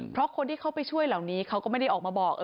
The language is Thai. เพราะคนที่เขาไปช่วยเหล่านี้เขาก็ไม่ได้ออกมาบอก